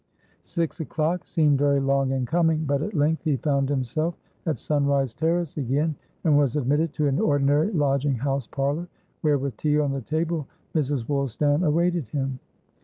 Six o'clock seemed very long in coming. But at length he found himself at Sunrise Terrace again, and was admitted to an ordinary lodging house parlour, where, with tea on the table, Mrs. Woolstan awaited him.